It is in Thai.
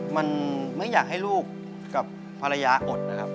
มันไม่อยากให้ลูกกับภรรยาอดนะครับ